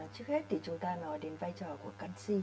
trước hết thì chúng ta nói đến vai trò của canxi